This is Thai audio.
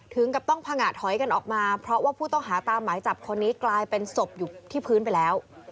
ถึงกับต้องผงะถอยกันออกมาเพราะว่าผู้ต้องหาตามหมายจับคนนี้กลายเป็นศพอยู่ที่พื้นไปแล้ว